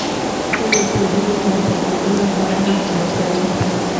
خپلو خوبونو ته د رسېدو لپاره هڅه وکړئ.